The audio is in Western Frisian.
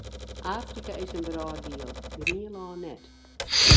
Afrika is in wrâlddiel, Grienlân net.